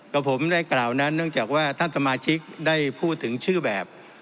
กับผมได้กล่าวนั้นเนื่องจากว่าท่านสมาชิกได้พูดถึงชื่อแบบ